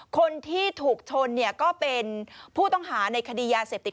คนที่ถูกชนก็เป็นผู้ต้องหาในคดียาเสพติด